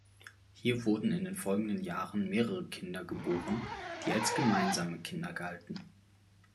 Hier wurden in den folgenden Jahren mehrere Kinder geboren, die als gemeinsame Kinder galten.